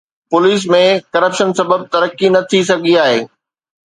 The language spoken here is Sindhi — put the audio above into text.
پوليس ۾ ڪرپشن سبب ترقي نه ٿي سگهي آهي